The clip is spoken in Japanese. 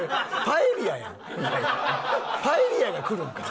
パエリアが来るんか？